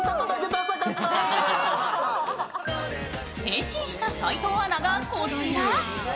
変身した齋藤アナがこちら。